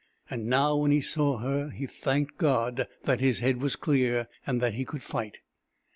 And now, when he saw her, he thanked God that his head was clear, and that he could fight.